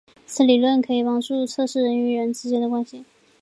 此理论可以帮助预测人与人之间的关系。